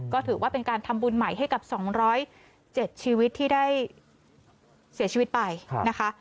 ก็ถือว่าเป็นการทำบุญใหม่ให้กับ๒๐๗ชีวิตที่ได้เสียชีวิตไปนะคะ